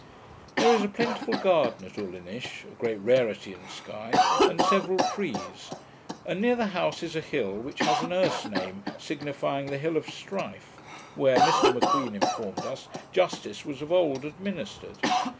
There is a plentiful garden at Ulinish (a great rarity in Sky), and several trees; and near the house is a hill, which has an Erse name, signifying 'the hill of strife', where, Mr M'Queen informed us, justice was of old administered.